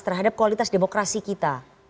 terhadap kualitas demokrasi kita